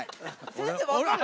先生分かる？